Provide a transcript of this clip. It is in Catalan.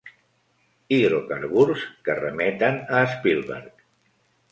Hidrocarburs que remeten a Spielberg.